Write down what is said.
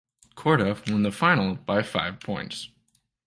Corduff won the final by five points.